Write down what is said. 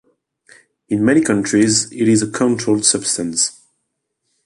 In many countries, it is a controlled substance.